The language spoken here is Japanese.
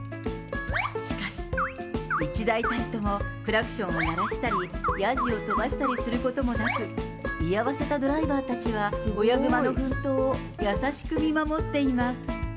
しかし、１台たりともクラクションを鳴らしたり、やじを飛ばしたりすることもなく、居合わせたドライバーたちは、親グマの奮闘を優しく見守っています。